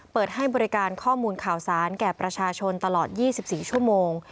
เปิดให้บริการข้อมูลข่าวสารแก่ประชาชนตลอด๒๔ชั่วโมง